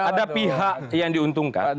ada pihak yang diuntungkan